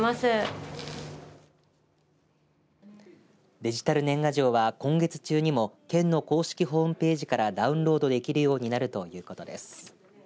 デジタル年賀状は今月中にも県の公式ホームページからダウンロードできるようになるということです。